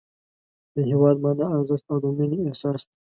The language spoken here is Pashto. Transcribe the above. د هېواد مانا، ارزښت او د مینې احساس